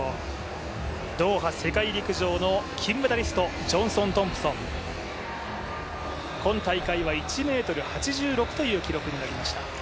ドーハ世界陸上の金メダリスト、ジョンソン・トンプソン、今大会は１ｍ８６という記録になりました。